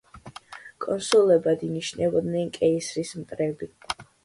კონსულებად ინიშნებოდნენ კეისრის მტრები.